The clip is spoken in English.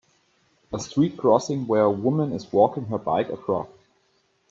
a street crossing where a woman is walking her bike across